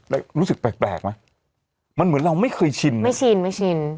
แล้วรู้สึกแปลกไหมมันเหมือนเราไม่เคยชินไม่ชินไม่ชิน